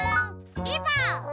リボン！